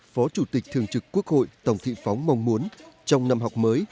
phó chủ tịch thường trực quốc hội tổng thị phóng mong muốn trong năm học mới